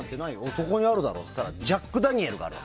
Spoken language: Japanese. そこにあるだろうって言ったらジャック・ダニエルがあるの。